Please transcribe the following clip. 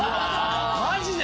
マジで？